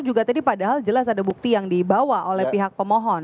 jadi padahal jelas ada bukti yang dibawa oleh pihak pemohon